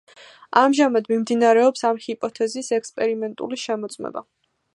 ამჟამად მიმდინარეობს ამ ჰიპოთეზის ექსპერიმენტული შემოწმება.